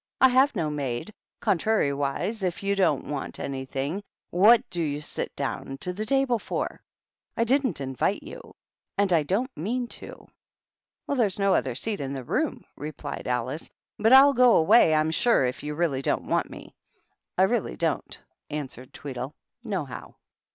I have no maid. Contrariwise, if you don't want any thing, what do you sit down to the table for ? I didn't invite you, and I don't mean to." "There's no other seat in the room," replied Alice ;" but I'll go away, I'm sure, if you really don't want me." " I really don't," answered Tweedle, " nohow."